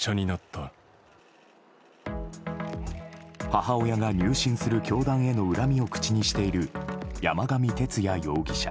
母親が入信する教団への恨みを口にしている山上徹也容疑者。